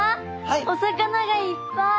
お魚がいっぱい！